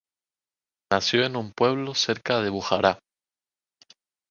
Nació en un pueblo cerca de Bujará.